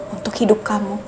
untuk hidup kamu